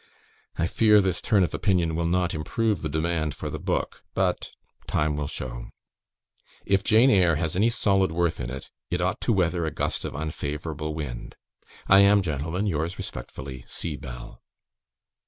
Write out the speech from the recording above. I fear this turn of opinion will not improve the demand for the book but time will show. If "Jane Eyre" has any solid worth in it, it ought to weather a gust of unfavourable wind. I am, Gentlemen, yours respectfully, "C. BELL."